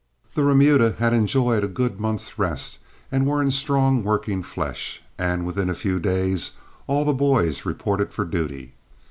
The remuda had enjoyed a good month's rest and were in strong working flesh, and within a few days all the boys reported for duty.